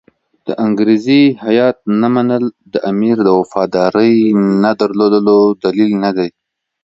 د انګریزي هیات نه منل د امیر د وفادارۍ نه درلودلو دلیل نه دی.